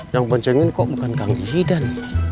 yang boncengin kok bukan kang ihidan